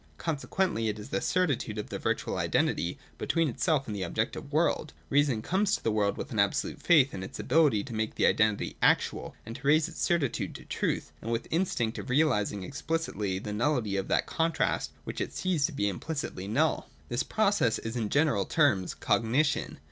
Consequently it is the certitude of the virtual identity between itself and the objective world. — Reason comes to the world with an absolute faith in its ability to make the identity actual, and to raise its certi tude to truth ; and with the instinct of realising explicitly the nullity of that contrast which it sees to be implicitly null. 225.] This process is in general terms Cognition.